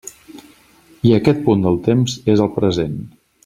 I aquest punt del temps és el present.